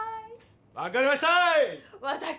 わかりました！